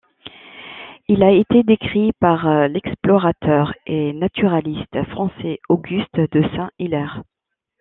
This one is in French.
Il a été décrit par l'explorateur et naturaliste français Auguste de Saint-Hilaire.